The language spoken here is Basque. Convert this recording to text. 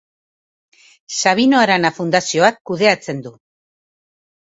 Sabino Arana Fundazioak kudeatzen du.